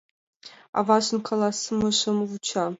Аважын каласымыжым вуча.